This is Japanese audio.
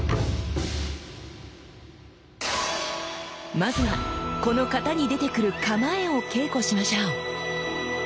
まずはこの型に出てくる構えを稽古しましょう。